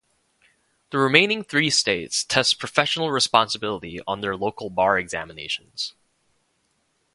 The remaining three states test professional responsibility on their local bar examinations.